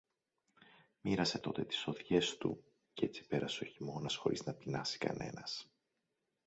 Μοίρασε τότε τις σοδειές του, κι έτσι πέρασε ο χειμώνας χωρίς να πεινάσει κανένας.